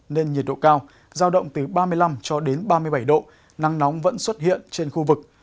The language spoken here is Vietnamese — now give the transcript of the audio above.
nên nhiệt độ cao giao động từ ba mươi năm cho đến ba mươi bảy độ nắng nóng vẫn xuất hiện trên khu vực